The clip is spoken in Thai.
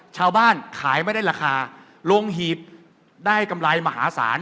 ขายไม่ได้ราคาลงหีบได้กำไรมหาศาล